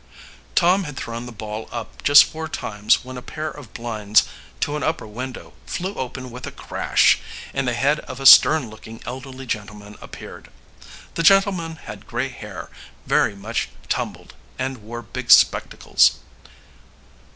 Tom had thrown the ball up just four times when a pair of blinds to an upper window flew open with a crash, and the head of a stern looking elderly gentleman appeared. The gentleman had gray hair, very much tumbled, and wore big spectacles.